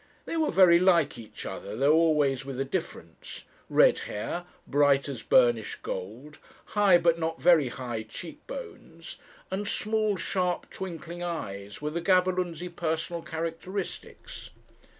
They were very like each other, though always with a difference. Red hair, bright as burnished gold; high, but not very high, cheek bones; and small, sharp, twinkling eyes, were the Gaberlunzie personal characteristics.